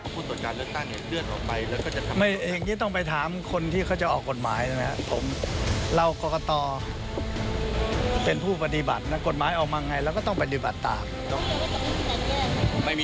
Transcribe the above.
โปรดติดตามโปรดติดตามโปรดติดตาม